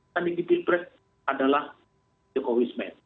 yang akan dikipres adalah jokowi smed